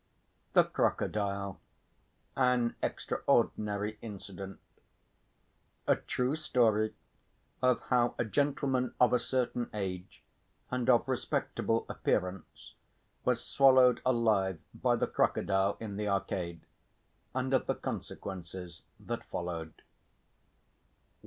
THE CROCODILE AN EXTRAORDINARY INCIDENT _A true story of how a gentleman of a certain age and of respectable appearance was swallowed alive by the crocodile in the Arcade, and of the consequences that followed.